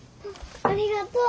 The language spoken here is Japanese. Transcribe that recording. ありがとう。